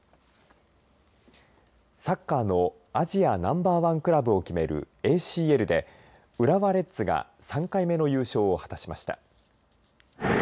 サッカーのアジアナンバーワンクラブを決めるＡＣＬで浦和レッズが３回目の優勝を果たしました。